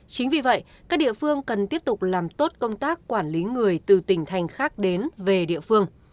chính vì vậy các địa phương cần tiếp tục làm tốt công tác quản lý người từ tỉnh thành khác đến về địa phương